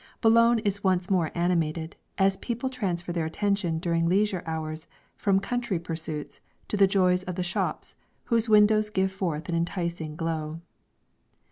Boulogne is once more animated, as people transfer their attention during leisure hours from country pursuits to the joys of the shops, whose windows give forth an enticing glow.